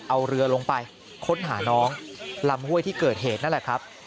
เอาเรือลงไปค้นหาน้องลำห้วยที่เกิดเหตุนั่นแหละครับ